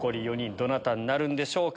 どなたになるんでしょうか。